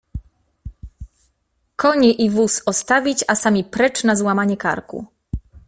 Konie i wóz ostawić, a sami precz na złamanie karku!